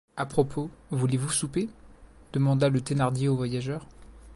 À propos, voulez-vous souper? demanda la Thénardier au voyageur.